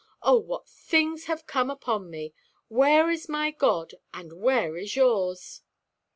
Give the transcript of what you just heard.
Oh, what things have come upon me! Where is my God, and where is yours?"